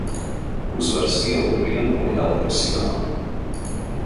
Uzvaras iela ir viena no Jelgavas ielām.